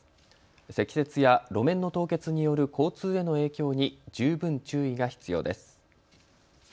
積雪や路面の凍結による交通への影響に十分注意が必要です。